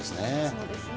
そうですね。